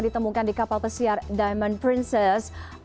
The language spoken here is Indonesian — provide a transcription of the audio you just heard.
ditemukan di kapal pesiar diamond princess